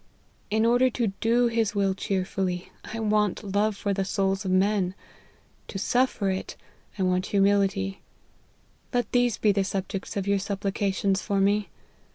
In order to do his will cheerfully, I want love for the souls of men ; to suffer it, I want humility : let these be the subjects of your supplications for me.